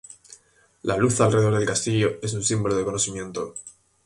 La luz alrededor del castillo es un símbolo de conocimiento.